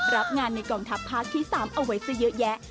รับงานในกองทัพภาคที่๓เอาไว้ซะเยอะแยะ